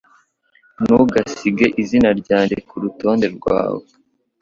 Ntugasige izina ryanjye kurutonde rwawe